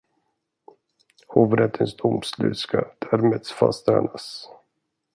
Hovrättens domslut ska därmed fastställas.